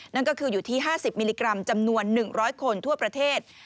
นั่นก็คืออยู่ที่๕๐มิลลิกรัมจำนวน๑๐๐คนทั่วประเทศ